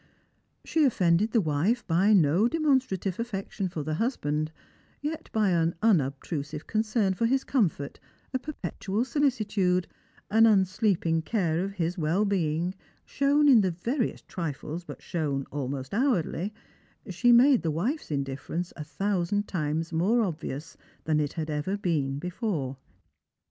She offended the wife by no demonstrative affection for the husband; yet, by an unobtrusive concern for his comfort, a perpetual soHcitude, an unsleeping care of his well being, shown in the veriest trifles, but shown almost hourly, she made his wife's indifference a thousand times more obvious than it had ever been before.